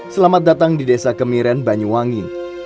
selamat datang di desa kemiren banyuwangi